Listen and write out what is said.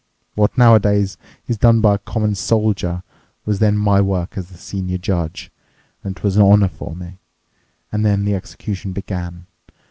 What nowadays is done by a common soldier was then my work as the senior judge, and it was a honour for me. And then the execution began!